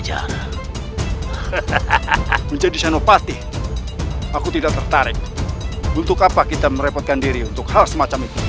hai menjadi sanopati aku tidak tertarik untuk apa kita merepotkan diri untuk hal semacam ini